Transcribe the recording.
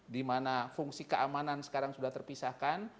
dimana fungsi keamanan sekarang sudah terpisahkan